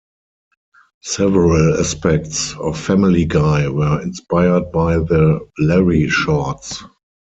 Several aspects of "Family Guy" were inspired by the "Larry shorts".